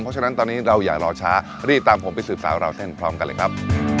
เพราะฉะนั้นตอนนี้เราอย่ารอช้ารีบตามผมไปสืบสาวราวเส้นพร้อมกันเลยครับ